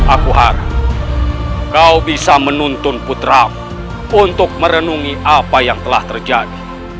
aku harap kau bisa menuntun putramu untuk merenungi apa yang telah terjadi